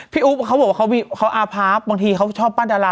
พี่อุ๊ปเค้าบอกว่าเขาอาภาพบางทีเค้าชอบปั้นดารา